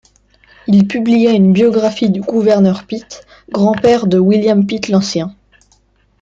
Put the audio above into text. Il publia une biographie du Gouverneur Pitt, grand-père de William Pitt l'Ancien.